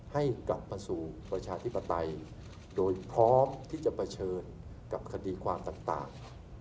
ให้กลับมาสู่ประชาธิปไตยโดยพร้อมที่จะเผชิญกับคดีความต่าง